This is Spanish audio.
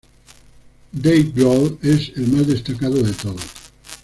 Dave Grohl es el más destacado de todos.